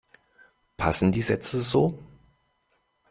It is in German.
Passen die Sätze so?